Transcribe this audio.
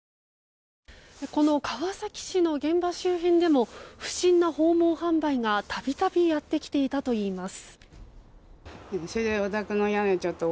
この川崎市の現場周辺でも不審な訪問販売が度々やってきていたといいます。